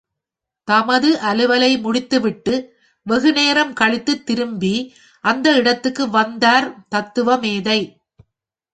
தமது அலுவலை முடித்து விட்டு, வெகுநேரம் கழித்து திரும்பி, அந்த இடத்துக்கு வந்தார் தத்துவமேதை.